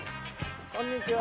こんにちは。